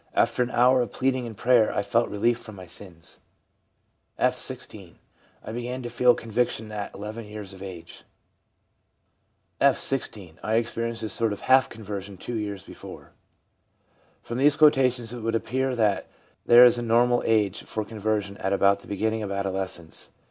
After an hour of pleading and prayer I felt relief from my sins/ F., 16. 'I began to feel conviction at 11 years of age/ F, 16. ' I experienced a sort of half conversion two years before/ From these quotations it would appear that there is a normal age for conversion at about the beginning of adolescence.